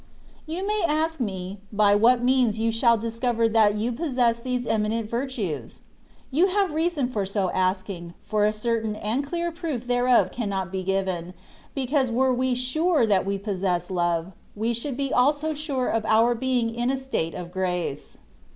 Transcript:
You may ask me, by what means you shall dis cover that you possess these eminent virtues ? You have reason for so asking, for a certain and clear proof thereof cannot be given, because were we sure that we possessed love, we should be also sure of our being in a state of grace.